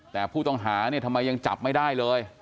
แต่ผู้ต้องหาเนี่ยทำไมยังจับไม่ได้เลย